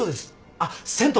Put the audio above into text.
あっ銭湯。